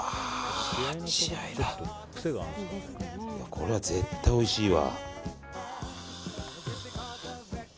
これは絶対おいしいわ。